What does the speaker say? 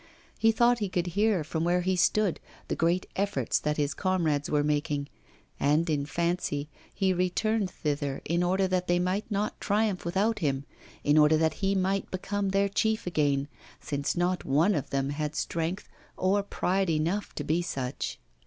He thought he could hear from where he stood the great efforts that his comrades were making, and, in fancy, he returned thither in order that they might not triumph without him, in order that he might become their chief again, since not one of them had strength or pride enough to be such.